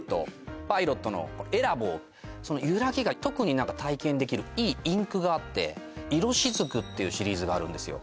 そのゆらぎが特に体験できるいいインクがあって色彩雫っていうシリーズがあるんですよ